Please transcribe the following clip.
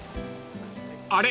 ［あれ？